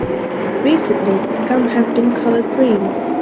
Recently, the gum has been colored green.